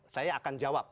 saya akan jawab